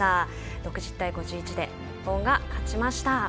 ６０対５１で日本が勝ちました。